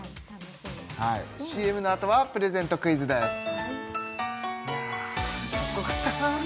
ＣＭのあとはプレゼントクイズです